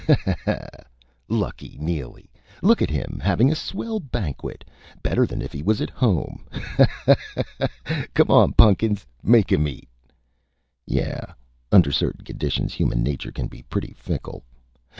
Haw haw haw.... Lucky Neely! Look at him! Having a swell banquet. Better than if he was home.... Haw haw haw.... Come on, Pun'kins make him eat!..." Yeah, under certain conditions human nature can be pretty fickle.